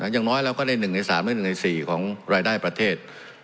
อย่างน้อยเราก็ได้๑ใน๓และ๑ใน๔ของรายได้ประเทศ